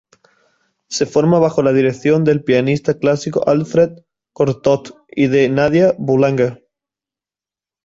Se forma bajo la dirección del pianista clásico Alfred Cortot y de Nadia Boulanger.